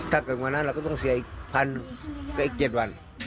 ถ้าเกินกว่านั้นเราก็ต้องเสียอีกพันก็อีกเจ็ดวัน